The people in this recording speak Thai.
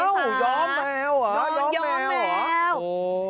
อ้าวยอมแมวเหรอนอนยอมแมวเหรอโอ้